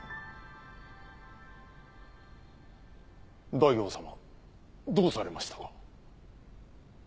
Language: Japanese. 大王様どうされましたか？